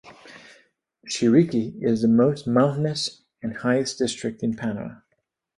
Chiriqui is the most mountainous and highest district in Panama.